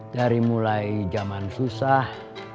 dari mulai zaman susah